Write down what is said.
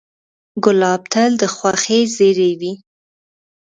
ګلاب تل د خوښۍ زېری وي.